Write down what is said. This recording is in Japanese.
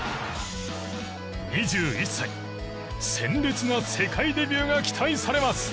２１歳鮮烈な世界デビューが期待されます。